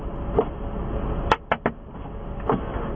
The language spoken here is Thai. เปิดไป